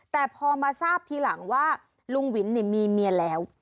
แต่พอมาทราบทีหลังว่าลุงวินมีเมียแล้ว